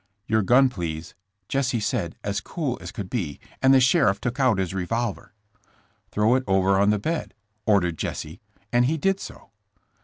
*' 'Your gun, please,' Jesse said, as cool as could be, and the sheriff took out his revolver. " 'TJirow it over on the bed,' ordered Jesse, and he did so.